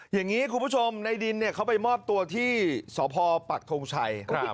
อย่างนี้คุณผู้ชมในดินเขาไปมอบตัวที่สพปักทงชัย